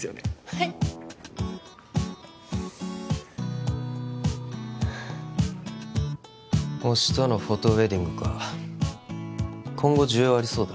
はい推しとのフォトウェディングか今後需要ありそうだ